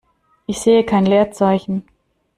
Ich sehe kein Leerzeichen.